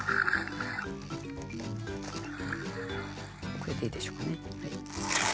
これでいいでしょうかね。